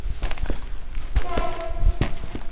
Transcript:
কিন্তু শেষ অবধি মিলিয়া মিশিয়া এক হইয়া যায়।